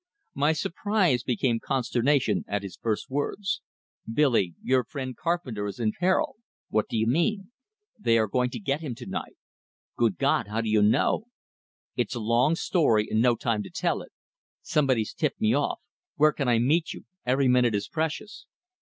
My surprise became consternation at his first words: "Billy, your friend Carpenter is in peril!" "What do you mean?" "They are going to get him tonight." "Good God! How do you know?" "It's a long story, and no time to tell it. Somebody's tipped me off. Where can I meet you? Every minute is precious."